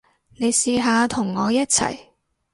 你試下同我一齊